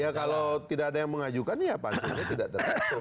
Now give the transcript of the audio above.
ya kalau tidak ada yang mengajukan ya pastinya tidak tertutup